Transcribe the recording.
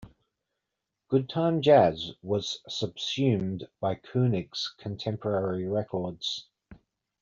Good Time Jazz was subsumed by Koenig's Contemporary Records.